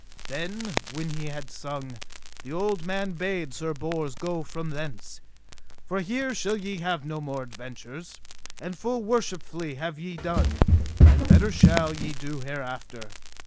Then when he had sung, the old man bade Sir Bors go from thence. For here shall ye have no more adventures; and full worshipfully have ye done, and better shall ye do hereafter.